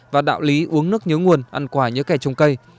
và đạo lý uống nước nhớ nguồn ăn quả nhớ kẻ trồng cây